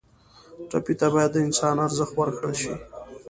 ټپي ته باید د انسان ارزښت ورکړل شي.